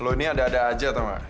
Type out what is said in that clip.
lu ini ada ada aja tau gak